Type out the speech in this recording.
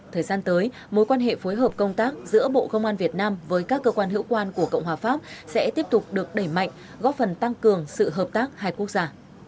thời gian tới mối quan hệ phối hợp công tác giữa bộ công an việt nam với các cơ quan hữu quan của cộng hòa pháp sẽ tiếp tục được đẩy mạnh góp phần tăng cường sự hợp tác hai quốc gia